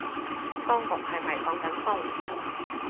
當局係咪放緊風